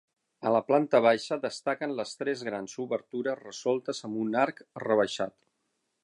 A la planta baixa destaquen les tres grans obertures resoltes amb un arc rebaixat.